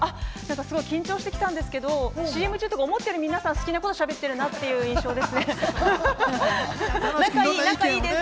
緊張してきたんですけど、ＣＭ中、思ったより皆さん、好きなことをしゃべってるなっていう印象ですね。